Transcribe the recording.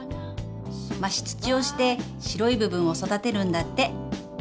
増し土をして白い部分を育てるんだって。